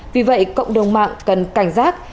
vì vậy cộng đồng mạng cần cảnh giác